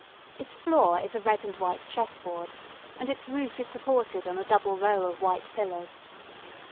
Its floor is a red and white chessboard, and its roof is supported on a double row of white pillars.